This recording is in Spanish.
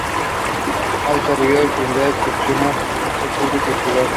Ha desarrollado actividades profesionales en el sector público y privado.